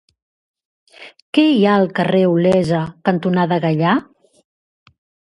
Què hi ha al carrer Olesa cantonada Gaià?